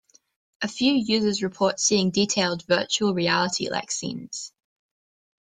A few users report seeing detailed, virtual reality like scenes.